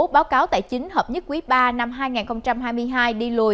báo cáo tài chính hợp nhất quý ba năm hai nghìn hai mươi hai đi lùi